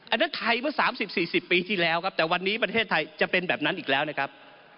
อันนั้นไทยเมื่อ๓๐๔๐ปีที่แล้วครับแต่วันนี้ประเทศไทยจะเป็นแบบนั้นอีกแล้วนะครับ